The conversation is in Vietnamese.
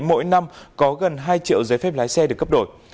mỗi năm có gần hai triệu giấy phép lái xe được cấp đổi